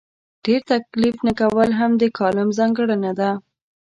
ډېر تکلف نه کول هم د کالم ځانګړنه ده.